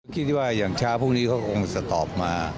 คิดว่าอย่างเช้าพรุ่งนี้เขาคงจะตอบมา